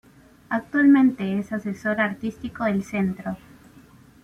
Actualmente es asesor artístico del centro.